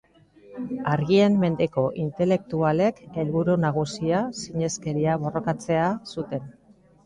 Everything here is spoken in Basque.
Argien mendeko intelektualek helburu nagusia sineskeria borrokatzea zuten.